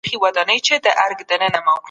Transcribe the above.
ځمکپوهنې کله خپلواکي واخيسته؟